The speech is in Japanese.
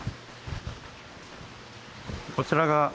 こちらが。